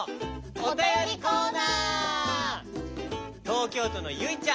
おたよりコーナー！